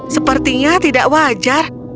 sepertinya tidak wajar